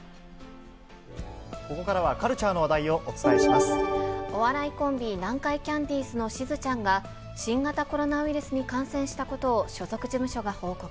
ここからはカルチャーの話題お笑いコンビ、南海キャンディーズのしずちゃんが、新型コロナウイルスに感染したことを所属事務所が報告。